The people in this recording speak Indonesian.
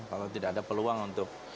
kalau tidak ada peluang untuk